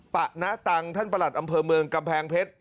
ปะนะตังท่านประหลัดอำเภอเมืองกำแพงเพชร